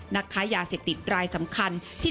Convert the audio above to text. นักค้ายาเสพติดรายสำคัญที่